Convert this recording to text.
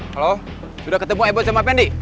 halo sudah ketemu ibu sama pendi